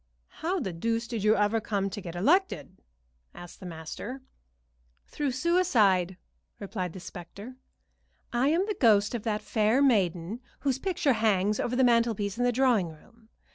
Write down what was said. "How the deuce did you ever come to get elected?" asked the master. "Through a suicide," replied the specter. "I am the ghost of that fair maiden whose picture hangs over the mantelpiece in the drawing room.